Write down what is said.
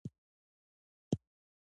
پوستکی یو حسي غړی دی.